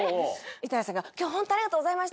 板谷さんが今日ホントありがとうございました。